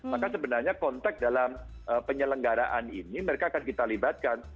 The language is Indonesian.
maka sebenarnya kontak dalam penyelenggaraan ini mereka akan kita libatkan